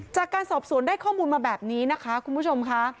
จากการสอบสวนได้ข้อมูลมาแบบนี้นะคะคุณผู้ชมค่ะ